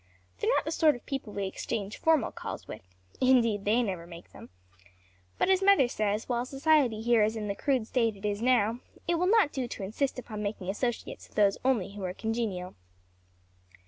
They're not the sort of people we exchange formal calls with; indeed they never make them; but, as mother says, while society here is in the crude state it is now, it will not do to insist upon making associates of those only who are congenial."